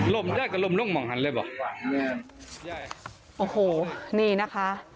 ลมย่ายก็ลมลงหม่องหันเลยบอกแย่แย่โอ้โหนี่นะคะ